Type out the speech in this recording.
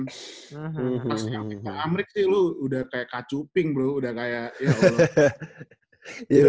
pasti ngerti pak amrik sih lu udah kayak kacu pink bro udah kayak ya allah